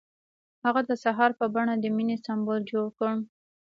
هغه د سهار په بڼه د مینې سمبول جوړ کړ.